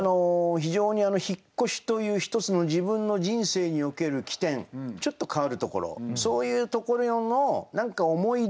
非常に引越しという一つの自分の人生における起点ちょっと変わるところそういうところの思い出